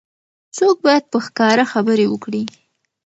څوګ باید په ښکاره خبرې وکړي.